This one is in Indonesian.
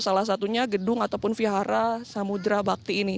salah satunya gedung ataupun vihara samudera bakti ini